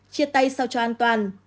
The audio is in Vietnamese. chia tay sao cho an toàn